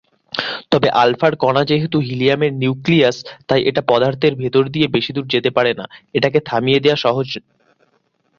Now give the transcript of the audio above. তবে আলফা কণা যেহেতু হিলিয়ামের নিউক্লিয়াস, তাই এটা পদার্থের ভেতর দিয়ে বেশি দূর যেতে পারে না-এটাকে থামিয়ে দেয়া সহজ।